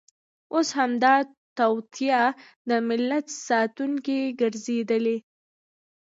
اوس همدا توطیه د ملت ساتونکې ګرځېدلې.